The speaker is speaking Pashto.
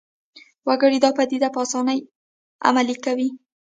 وګړي دا پدیدې په اسانۍ عملي کوي